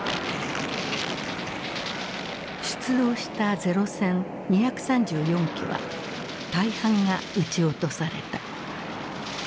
出動した零戦２３４機は大半が撃ち落とされた。